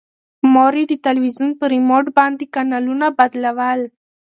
مور یې د تلویزون په ریموټ باندې کانالونه بدلول.